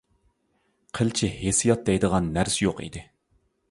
قىلچە ھېسسىيات دەيدىغان نەرسە يوق ئىدى.